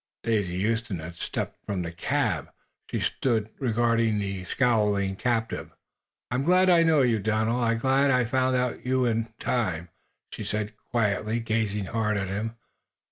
Daisy Huston had stepped from the cab. She stood regarding the scowling captive. "I'm glad I know you, Donald; glad I found you out in time," she said, quietly, gazing hard at him.